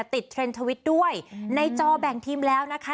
เทรนด์ทวิตด้วยในจอแบ่งทีมแล้วนะคะ